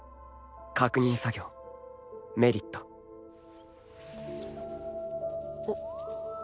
［確認作業メリット］うっ。